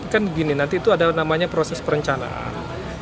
kan gini nanti itu ada namanya proses perencanaan